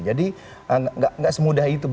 jadi enggak semudah itu